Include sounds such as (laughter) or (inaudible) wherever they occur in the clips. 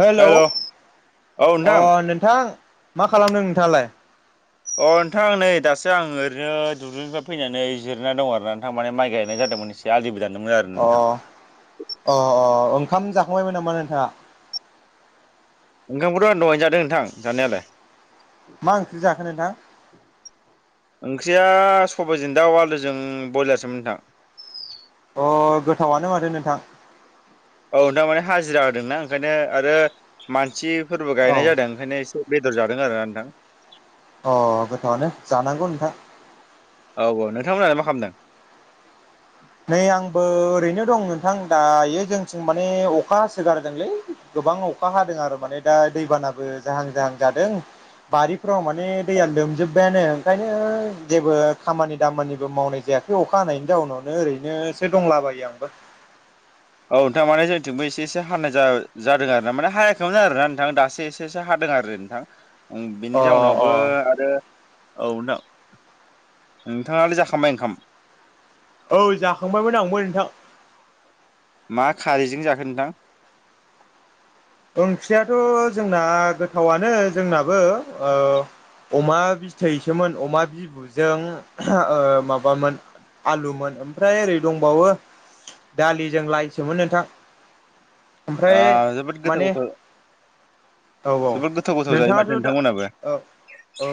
Hello. Hello औ अ नोंथां नोंथां मा खालामदों नोंथाङालाय? अ नोंथां नै दासो आं ओरैनो दुब्लिनिफ्राय फैनानै जिरना दं आरो नोंथां माने माइ गायनाय जादोंमोन एसे। ए आलिबो दानदोंमोन आरो अ नोंथां। अ अ ओंखाम जाखांबायमोन नामा नोंथाङा? ओंखामखौथ आं दहायनो जादों नोंथां जानायालाय। मा ओंख्रि जाखोन नोंथां? ओंख्रिया सबाइजों दाउ आलुजों ब्रयलारसोमोन नोंथां। अ गोथावानो माथो नोंथां। औ नोंथां माने हाजिरा होदोंनाा ओंखायनो आरो मानसिफोरबो औ गायनाय जादों ओंखायनो एसे। बेदर जादों आरो ना नोंथां। अ गोथावनो जानांगौ नोंथां। औ औ नोंथांमोनानो मा खालामदों? नै आंबो ओरैनो दं नोंथां दायो जोंथिं माने अखा हासोगारदोंलै। गोबां अखा हादों आरो माने दा दैबानाबो जाहां जाहां जादों। बारिफ्राव माने दैया लोमजोब्बायानो ओंखायनो जेबो खामानि दामानिबो मावनाय जायाखै। बे अखा हानायनि जाउनावनो ओरैनोसो दंलाबायो आंबो। औ नोंथां माने जोंथिंबो एसे एसे हानाय जादों आरो ना माने हायाखैमोन आर ना नोंथां दासो एसे एसे हादों आरो। थां अ बिनि जाउनावबो अ आरो औ नोंथां नोंथाङालाय जाखांबाय ओंखाम? औ जाखांबायमोन आंबो नोंथां। मा खारैजों जाखो नोंथां? ओंख्रियाथ' जोंना गोथावनो जोंनाबो अमा बिथैसोमोन अमा बिबुजों माबामोन आलुमोन ओमफ्राय ओरै दंबावो। दालिजों लायसोमोन नोंथां। ओमफ्राय ओ जोबोद गोथाव माने गोथाव औ औ जोबोद गोथाव गोथाव जायो माथो नोंथाङाथ' दा नोंथांमोनहाबो। औ औ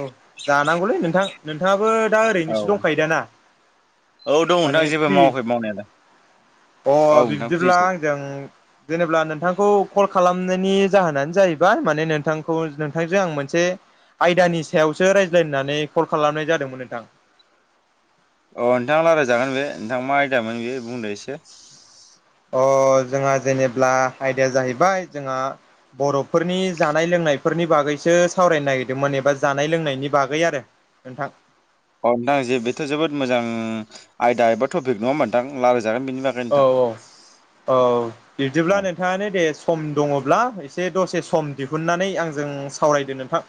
जानांगौलै नोंथां। नोंथाङाबो दा औ ओरैनोसो दंखायोदाना औ दं माने नोंथां जेबो फ्रि मावाखै मावनायालाय अ औ नोंथां बिदिब्ला फ्रिसो आंजों जेनेब्ला नोंथांखौ कल खालामनायनि जाहोनानो जाहैबाय माने नोंथांखौ नोंथांजों आं मोनसे आयदानि सायावसो रायज्लायनो होननानै कल खालामनाय जादोंमोन नोंथां। अ नोंथाङा रायजायजागोन बे नोंथाङा मा आयदामोन बे बुंदो एसे। अ जोंहा जेनेब्ला आयदाया जाहैबाय जोंहा बर'फोरनि जानाय लोंनायफोरनि बागैसो सावरायनो नागिरदोंमोन एबा जानाय लोंनायनि बागै आरो नोंथां। औ नोंथां जे बेथ' जोबोद मोजां आयदा एबा टपिक नङा होमबा नोंथां लायरायजागोन बेनि बाग औ औ औ बिबदिब्ला अ नों नोंथाङानो दे सम दङब्ला एसे दसे सम दिहुननानै आंजों सावरायदो नोंथां।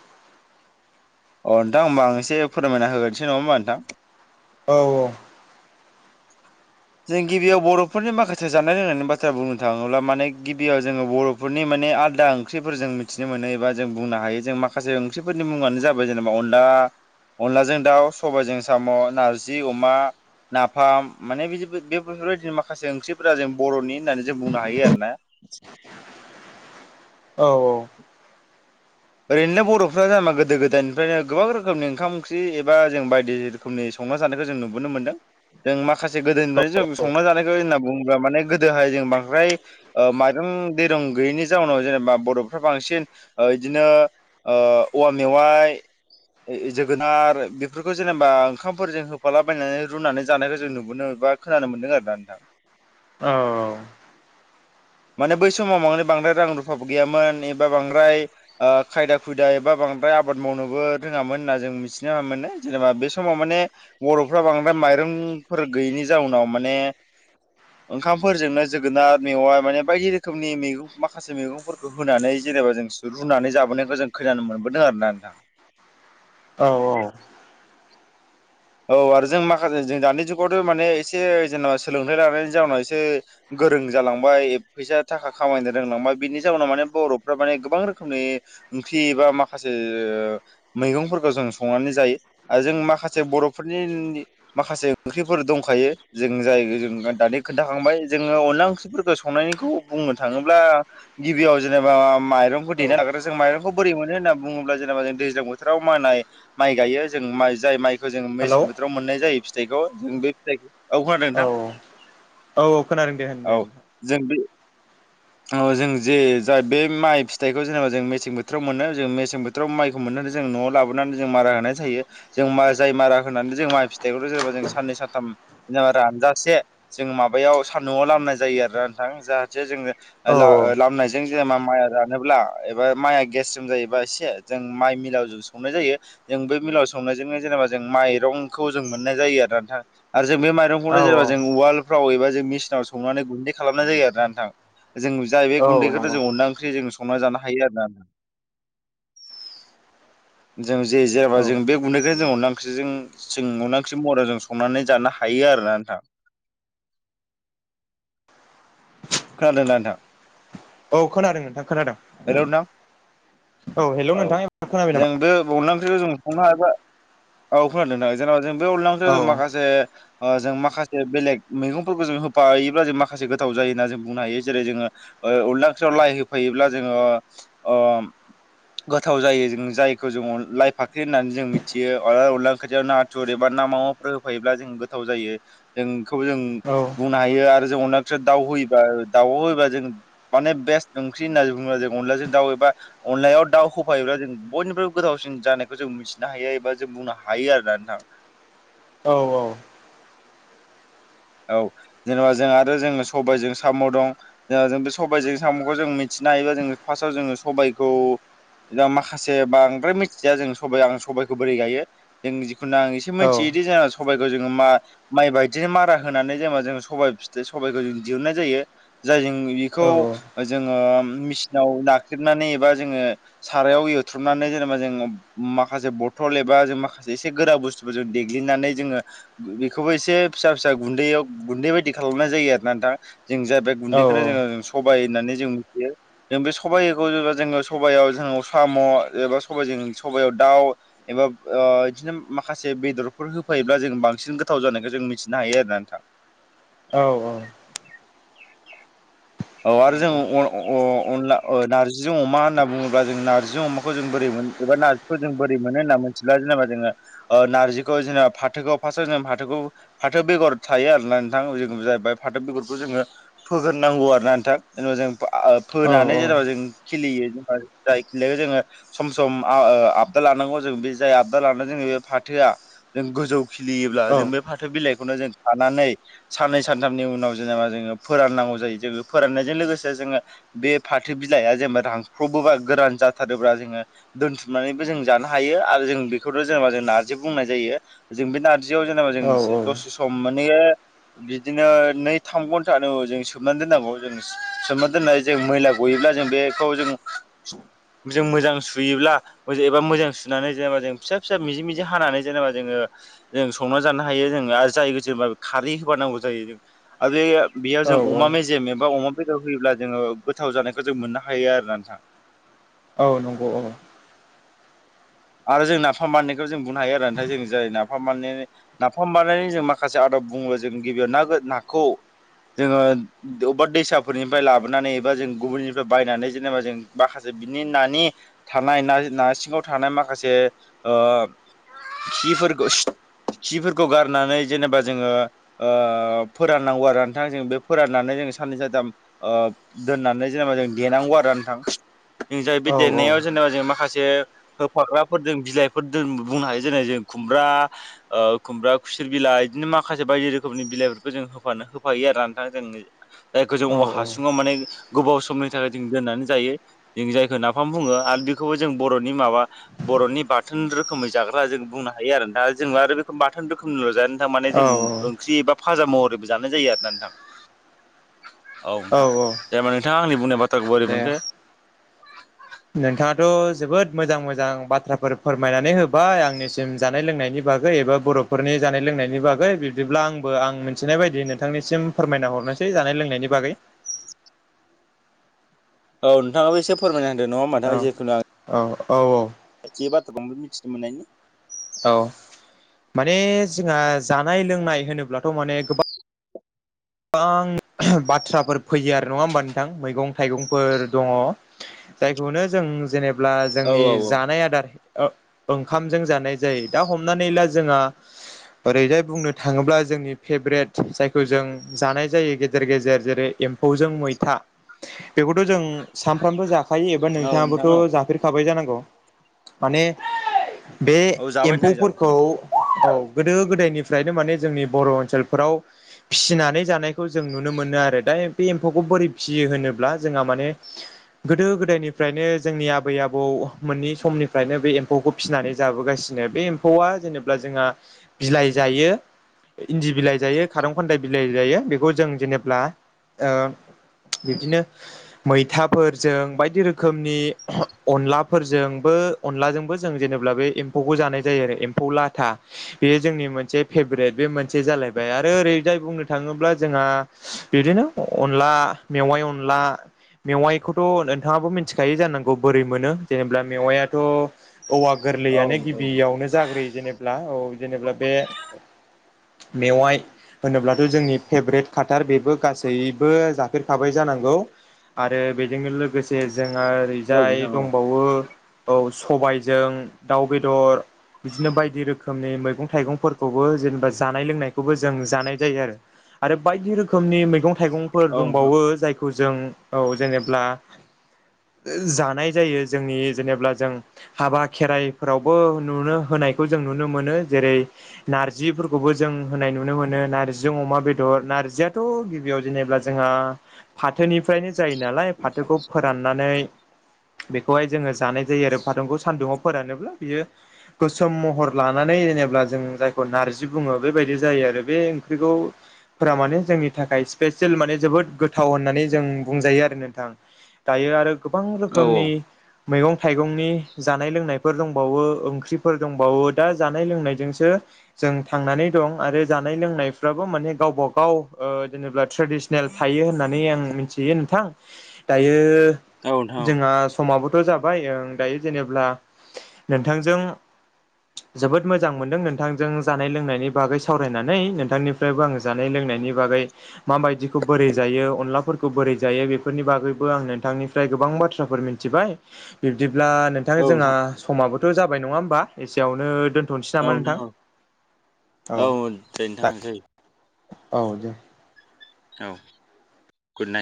अ नोंथां होमबा आं एसे फोरमायना होग्रोनोसै नङा होनबा नोंथां। औ औ। जों गिबियाव बर'फोरनि माखासे जानाय लोंनायनि बाथ्रा बुंनो थाङोब्ला माने गिबियाव जोङो बर' फोरनि माने आलादा ओंख्रिफोर जों मिथिनो मोनो एबा जों बुंनो हायो जों माखासे ओंख्रिफोरनि मुङानो जाबाय जेनेबा अनला अनलाजों दाउ सबायजों साम' नारजि अमा नाफाम माने बिदि बे बेफोरबायदिनो माखासे ओंख्रिफोरा जों बर'नि होननानै जों बुंनो हायो आरोना। औ औ। ओरैनो बर'फ्रा जेनबा गोदो गोदायनिफ्रायनो गोबां रोखोमनि ओंखाम ओंख्रि एबा जों बायदि रोखोमनि संना जानायखौ जों नुबोनो मोन्दों। जों माखासे गोदोनिफ्रायनो जों संना जानायखौ होनना बुङोब्ला माने गोदोहाय जों बांद्राय ओ माइरं दैरं गैयैनि जाउनाव जेनेबा बर'फ्रा बांसिन ओ बिदिनो ओ औवा मेवाइ जोगोनार बेफोरखौ जेनेबा ओंखामफोरजों होफालाबायनानै रुनानै जानायखौ जों नुबोनो एबा खोनानो मोनदों आरोना नोंथां। औ। माने बै समाव माने बांद्राय रां रुफाबो गैयामोन एबा बांद्राय ओ खायदा खुदा एबा बांद्राय आबाद मावनोबो रोङामोन होनना जों मिथिनो मोनो जेनेबा बे समाव माने बर'फ्रा बांद्राय माइरंफोर गैयैनि जाउनाव माने ओंखामफोरजोंनो जोगोनार मेवआ माने बायदि रोखोमनि मैगं माखासे मैगंफोरखौ होनानै जेनेबा जों रुनानै जाबोनायखौ जों खोनानो मोनबोदों आरोना नोंथां। औ औ। औ आरो जों माखासे जों दानि जुगावथ' माने एसे जेनेबा सोलोंथाइ लानायनि जाउनाव एसे गोरों जालांबाय फैसा थाखा खामायनो रोंलांबाय बिनि जाउनाव माने बर'फ्रा माने गोबां रोखोमनि ओंख्रि एबा माखासे मैगंफोरखौ जों संनानै जायो आरो जों माखासे बर' फोरनि माखासे ओंख्रिफोर दंखायो जों जाय जों दानि खोन्थाखांबाय जोङो अनला ओंख्रिफोरखौ संनायनिखौ बुंनो थाङोब्ला गिबियाव जेनेबा माइरंखौ औ देनो नागिर जों माइरंखौ बोरै मोनो होनना बुङोब्ला जेनेबा जों दैज्लां बोथोराव मानाय माइ गायो जों माइ जाय माइखौ जों हेलौ मेसें बोथोराव मोननाय जायो फिथाइखौ जों बे फिथाइखौ खोनादों औ नोंथां औ औ औ खोनादों दे होन दे औ होन। जों बे औ जों जे जा बे माइ फिथाइखौ जेनेबा जों मेसें बोथोराव मोनो जों मेसें बोथो थ्राव माइखौ मोननानै जों न'आव लाबोनानै जों मारा होनाय थायो जों मा जाय मारा होनानै जों माइ फिथाइखौथ' जेनबा जों साननै सानथाम जेनेबा रानजासे जों माबायाव सान्दुंआव लामनाय जायो आरोना नोंथां जाहाथे जोङो ओ औ ला-लामनाय जों जेनेबा माइआ रानोब्ला एबा माइआ गेस्रेम जायोबा एसे जों माइ मिलाव ज संनाय जायो। जों बे मिलाव संनायजोंनो जेनेबा जों माइरंखौ जों मोननाय जायो आरो नोंथां आरो जों बे माइ औ जों वालफ्राव एबा जों मिसिनाव संनानै गुन्दै खालामनाय जायो आरोना नोंथां। जों जाय बे औ गुन्दैखौ नंगौ जों अनला ओंख्रि जों संना जानो हायो आरोना। (inaudible) जों जे-जेनबा औ जों बे गुन्दैखौ जों अनला ओंख्रिजों जों अनला ओंख्रि महरा जों संनानै जानो हायो आरोना नोंथां खोनादों दा नोंथां औ खोनादों नोंथां खोनादों हेलौ नोंथां हेलौ औ नोंथां एबार खोनाबाय जोंदो अनला ओंख्रिखौ जों हमनो हा औ खोनादोंदा जेनेबा जों बे अनला ओंख्रैखौ नामा जों औ माखासे ओ जों माखासे बेलेग मैगंफोरखौ जों होफायोब्ला जों माखासे गोथाव जायोना जों बुंनो हायो जेरै जोङो ओ अनला ओंख्रियाव लाइ होफैयोब्ला जोङो ओ ओम गोथाव जायो जों जायखौ जों अन लाइ फाख्रि होननानै जों मिथियो अ अनला ओंख्रियाव ना थुर एबा ना मावाफोर होफायोब्ला जों गोथाव जायो जोंखौबो जों औ बुंनो हायो आरो जों अनला ओंख्रियाव दाउ होयोबा दाव होयोबा जों माने बेस्ट ओंख्रि होनना बुंङो जों अनलाजों दउ एबा अनलायाव दाउ होफायोब्ला जों बयनिफ्रायबो गोथावसिन जानायखौ जों नु मिथिनो हायो एबा जों बुंनो हायो आरोना नोंथां औ औ औ जेनेबा जों आरो जों सबायजों साम' दं जोंहा जों बे सबायजों साम'खौ जों मिथिनो हायोबा जो फार्स्टआव जोङो सबायखौ जा माखासे बांद्राय मिथिया जों सब आं सबाइखौ बोरै गायो जों जिखुनु आं एस औ सेमोथियोदि जोंहा सबायखौ जोंङो मा-माइ बायदिनो मारा होनानै जेनेबा जों सबाय फिथो सबाइखौ जों दिहुननाय जायो जाय जों औ बेखौ जोङो मेसिनाव नाख्रेबनानै एबा जोङो सारायाव एवथ्रुमनानै जेनेबा जों माखासे बथल एबा जों माखासे एसे गोरा बुस्थुफोर जों देग्लिनानै जोङो बेखौबो एसे फिसा फिस सा गुन्दैयाव गुन्दै बायदि खालामनाय जायो आरोना नोंथां जों जा बे औ गुन्दैखौनो जोङो सबाय होननानै जों मिथियो जों बे सबाइखौ जो-जो-जोङो सबायाव जोंङो साम' एबा सबजों सबायाव दाउ एबा ओ बिदिनो माखासे बेदरफोर होफायोब्ला जों बांसिन गोथाव जानायखौ जों मिथि ना हायो आरोना नोंथां औ औ औ आरो जों नंगौ अ-अ-अनला ओ नार्जिजों अमा होनना बुङोब्ला जों नारजि अमाखौ जों बोरै मोन एबा नारजिखौ जों बोरै मोनो होनना मिथिला जेनेबा जोङो ओ नारजिखौ जोेनबा फाथोखौ फार्स्टआव जों फाथोखौ फाथो बेगर थायो आरोना नोंथां जिखुनु जाया जाहैबाय फाथो बेगरखौ जोङो फोगोरनांगौ आरोना नोंथां जेनेबा जों फोआ औ फोनानै औ जेनेबा जों खिलियो जों जाय खिलिनायखौ जोङो सम सम आओ आबदाल लानांगौ जों बे जाय आबदा लानानै जोंङो बे फाथोआ जों गोजौ खिलियोब्ला जों बे औ फाथो बिलाइखौनो जों खानानै साननै सानथामनि उनाव जेनेबा जोङो फोराननांगौ जायो जोङो फोराननायजों लोगोसे जोङो बे फाथो बिलाइआ जेनेबा रांख्रबबोबा गोरान जाथारोब्ला जोङो दोनथुमनानैबो जों जानो हायो आरो जों बेखौनो जेनेबा जों नारजि बुंनाय जायो जों बे नारजि (unintelligible) जेनेबा औ जों दसे सम माने बिदिनो नै थाम घन्टानो जों सोबनानै दोननांगौ जों सोमोर दोननाय जों मैला गयोब्ला जों बेखौ जों जों मोजां सुयोब्ला एबा मोजां सुनानै जेनेबा जों फिसा फिसा मिजि मिजि हानानै जेनेबा जोङो जों संना जानो हा हायो जों आरो जाय गोसोबा खारै होबा नांगौ जायो जों आरो बेयाव जों औ अमा मेजेम एबा अमा बेदर होयोब्ला जोङो गोथाव जानायखौ जों मोननो हायो आरोना नोंथां औ नंगौ औ आरो जों नाफाम माननायखौ जों बुंनो हायो आरो नाथाय जों जाय नाफाम माने नाफाम बानायनायनि जों माखासे आदब बुङो जों गिबियाव ना-नाखौ जोङो अबेबा दैसाफोरनिफ्राय लाबोनानै एबा जों गुबुननिफ्राय बायनानै जेनेबा जों माखासे बिनि नानि थानाय ना-नारसिङाव थानाय माखासे ओ खिफोरखौ खिफोरखौ गारनानै जेनेबा जोङो ओ फोराननांगौ आरो नोंथां जों बे फोराननानै जों साननै सानथाम ओ दोननानै जेनेबा जों देनांगौ आरो नोंथां बिनिफ्राय बे औ देनायाव जेनेबा जों माखासे फाग्राफोरजों बिलाइफोर द बुंनो हायो जेनै जों खुमब्रा ओ खुमब्रा खुसेर बिलाइ बिदिनो माखासे बायदि रोखोमनि बिलाइफोरखौ जों होफानो होफायो आरो नोंथां जों दा गोजौ औ औवा हासुङाव माने गोबाव समनि थाखाय जों दोननानै जायो जों जायखौ नाफाम बुङो आरो बेखौबो जों बर'नि माबा बर'नि बाथोन रोखोमै जाग्रा जों बुंनो हायो आरो दा जों आरो बाथोन रोखोम ल'जाया नों थारमाने जों औ औ ओंख्रि एबा फाजा महरैबो जानाय जायो आरोना नोंथां औ नोंथां औ औ जेनेबा नोंथाङा आंनि बुंनायबाथ' बाथ्राखौ बोरै दे मोनखो नोंथाङाथ' जोबोद मोजां मोजां बाथ्राफोर फोरमायनानै होबाय आंनिसिम जानाय लोंनायनि बागै एबा बर'फोरनि जानाय लोंनायनि बागै बिब्दिब्ला आंबो आं मिथिनाय बायदि नोंथांनिसिम फोरमायना हरनो सै जानाय लोंनायनि बागै औ नोंथाङाबो एसे फोरमाय होनदो नङा होनबा जिखुनु औ औ औ खायसे बाथ्राखौ आंबो मिथिनो मोननायनि (unintelligible) औ माने जोंहा जानाय लोंनाय होनोब्लाथ' माने गोबां गोबां बाथ्राफोर फैयो आरो नङा होमबा नोंथां मैगं थाइगंफोर दङ'। जायखौनो जों जेनेब्ला औ जोंनि औ औ जानाय आदार ओंखामजों जानाय जायो दा हमनानै ला जोंहा ओरैनो बुंनो थाङोब्ला जोंनि फेभरेट जायखौ जों जानाय जायो गेजेर गेजेर जेरै एम्फौजों मैथा बेखौथ' जों सानफ्रामबो जाखायो एबा औ नोंथां नोंथाङाबोथ' औ जाफेर खाबाय जानांगौ माने बे औ जाबाय नोंथां जाबाय एम्फौफोरखौ औ गोदो गोदायनिफ्रायनो माने जोंनि बर' ओनसोलफोराव फिसिना नै जानायखौ जों नुनो मोनो आरो दा बे एम्फौखौ बोरै फिसियो होनोब्ला जोंहा माने गोदो गोदायनिफ्रायनो जोंनि आबै आबौ मोननै समनिफ्रायनो बे एम्फौखौ फिसिनानै जाबोगासिनो बे एम्फौआ जेनेबा जोंहा बिलाइ जायो। इन्दि बिलाइ जायो खारं खान्दाय बिलाइ जायो बेखौ जों जेनेब्ला बिदिनो मैथाफोरजों बायदि रोखोमनि अनलाफोरजोंबो अनलाजोंबो जों जेनेबा बे एम्फौखौ जानाय जायो आरो एम्फौ लाथा बेयो जोंनि मोनसे फेभरेट बे मोनसे जालायबाय आरो ओरै जाय बुंनो थाङोब्ला जोंहा बिदिनो अनला मेवाइ अनला मेवाइखौथ' नोंथाङाबो मिथिखायो जानांगौ बोरै मोनो जेनेब्ला मेवायाथ' औवा औ गोरलैयानो औ गिबियावनो जाग्रोयो जेने औ जेनेब्ला बे मेवाइ होनोब्ला जोंनि फेभरेट खाथार बेबो गासैबो जाफेरखाबाय जानांगौ आरो बेजोंनो लोगोसे जोंहा औ ओरैजाय नोंथां औ दंबावो औ सबायजों दाउ बेदर बिदिनो बायदि रोखोमनि मैगं थाइगंफोरखौबो जेनेबा जानाय लोंनायखौबो जों जानाय जायो आरो बायदि रोखोमनि मैगं थाइगंफोर औ नोंथां दंबावो जायखौ जों औ जेनेब्ला जानाय जायो जोंनि जेनेबा जों हाबा खेराइफोरावबो नुनो होनायखौ जों नुनो मोनो जेरै नारजिफोरखौबो जों होनाय नुनो मोनो नार जों अमा बेदर नारजियाथ' गिबियाव जेनेबा जोंहा फाथोनिफ्रायनो जायो नालाय फाथोखौ फोराननानै बेखौहाय जोङो जानाय जायो आरो फाथौखौ सान्दुुङाव फोरानोब्ला बियो गोसोम महर लानानै जेनेबा जों जायखौ नारजि बुङो बेबायदि जायो आरो बे बेखौ फोरा माने जोंनि थाखाय स्पेसियेल माने जोबोद गोथाव होननानै जों बुंजायो आरो नोंथां दायो आरो गोबां औ रोखोमनि मैगं थाइगंनि जानाय लोंनायफोर दंबावो ओंख्रिफोर दंबावो दा जानाय लोंनायजोंसो जों थांनानै दं आरो जानाय लोंनायफ्राबो माने गावबागाव ओ जेनेबा ट्रेडिसनेल थायो होननानै आं मिथियो नोंथां दायो औ नोंथां जोंहा समाबोथ' जाबाय ओं दायो जेनेब्ला नोंथांजों जोबोद मोजां मोनदों नोंथांजों जानाय लोंनायनि बागै सावरायनानै नोंथांनि निफ्रायबो आङो जानाय लोंनायनि बागै माबायदिखौ बोरै जायो अनला फोरखौ बोरै जायो बेफोरनि बागैबो आं नोंथांनिफ्राय गोबां बाथ्राफोर मिथिबाय बिब्दिब्ला नोंथां औ जोंहा समाबोथ' जाबाय नङा होमबा एसेयावनो दोन थसै औ नामा नोंथां औ जै नोंथाङा जै औ दे औ गुदनाइट